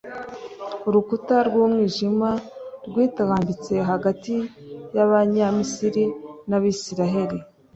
urukuta rw’umwijima rwitambitse hagati y’abanyamisiri n’abisiraheli.